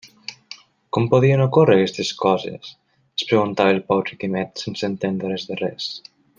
«Com podien ocórrer aquestes coses?», es preguntava el pobre Quimet sense entendre res de res.